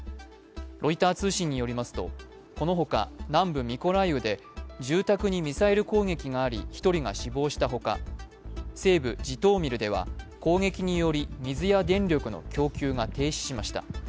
ロイター通信によりますとこのほか、南部ミコライウで住宅にミサイル攻撃があり１人が死亡したほか西部ジトーミルでは攻撃により水や電力の供給が停止しました。